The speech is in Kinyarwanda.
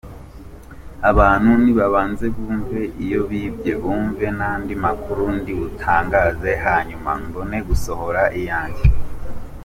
Abantu nibabanze bumve iyo bibye, bumve n’andi makuru ndibutangaze, hanyuma mbone gusohora iyanjye.